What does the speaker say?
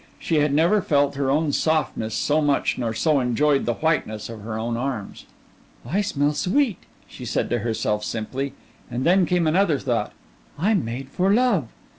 She had never felt her own softness so much nor so enjoyed the whiteness of her own arms. "I smell sweet," she said to herself simply, and then came another thought "I'm made for love."